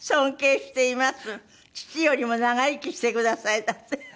「父よりも長生きしてください」だって。